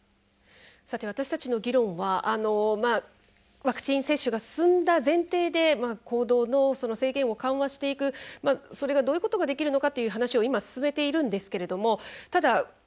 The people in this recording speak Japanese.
さて私たちの議論はワクチン接種が進んだ前提で行動の制限を緩和していくそれがどういうことができるのかという話を今進めているんですけれどもただ藤原さん